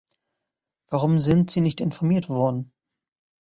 Warum sind Sie nicht informiert worden?